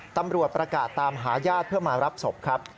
ตำรวจประกาศตามหาญาติเพื่อมารับศพครับ